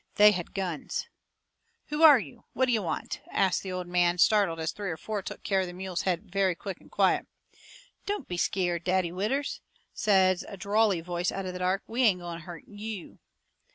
They had guns. "Who are you? What d'ye want?" asts the old man, startled, as three or four took care of the mule's head very quick and quiet. "Don't be skeered, Daddy Withers," says a drawly voice out of the dark; "we ain't goin' to hurt YOU.